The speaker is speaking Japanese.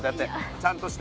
ちゃんとして。